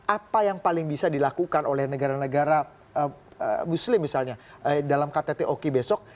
apa yang paling bisa dilakukan oleh negara negara muslim misalnya dalam ktt oki besok